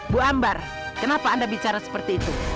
bu ambar kenapa anda bicara seperti itu